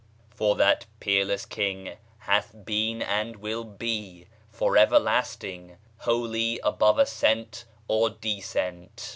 "for the Peerless King hath been and will be for everlasting Holy above ascent or descent."